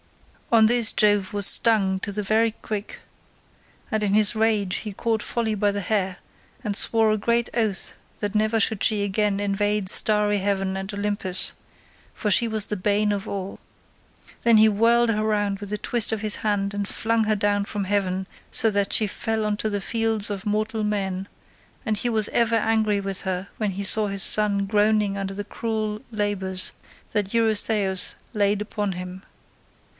"On this Jove was stung to the very quick, and in his rage he caught Folly by the hair, and swore a great oath that never should she again invade starry heaven and Olympus, for she was the bane of all. Then he whirled her round with a twist of his hand, and flung her down from heaven so that she fell on to the fields of mortal men; and he was ever angry with her when he saw his son groaning under the cruel labours that Eurystheus laid upon him.